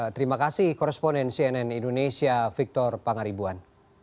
terima kasih koresponen cnn indonesia victor pangaribuan